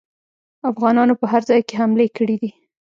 افغانانو په هر ځای کې حملې کړي دي.